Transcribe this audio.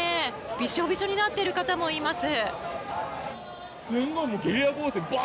びしょびしょになってる方もいます。